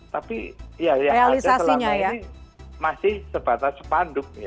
tapi ya yang ada selama ini masih sebatas sepanduk ya